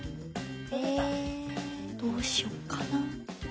えどうしよっかな？